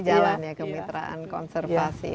jalan ya kemitraan konservasi